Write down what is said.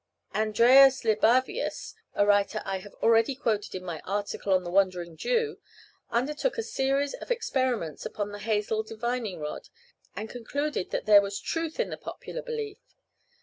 Andreas Libavius, a writer I have already quoted in my article on the Wandering Jew, undertook a series of experiments upon the hazel divining rod, and concluded that there was truth in the popular belief.